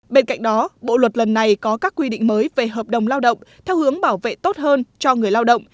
bên cạnh đó bộ luật lần này có các quy định mới về hợp đồng lao động theo hướng bảo vệ tốt hơn cho người lao động